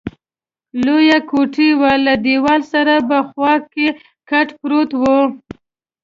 لویه کوټه وه، له دېوال سره په خوا کې کټ پروت وو.